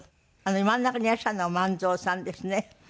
真ん中にいらっしゃるのが万蔵さんですね。